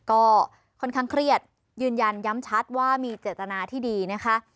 ก็ค่อนข้างเครียดยืนยันย้ำชัดว่ามีเจตนาที่ดีนะคะ